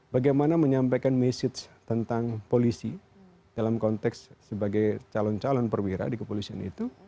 bagaimana menyampaikan message tentang polisi dalam konteks sebagai calon calon perwira di kepolisian itu